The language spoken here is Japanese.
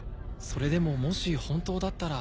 それでももし本当だったら。